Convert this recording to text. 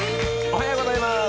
おはようございます。